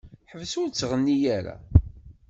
Ḥbes ur ttɣenni ara.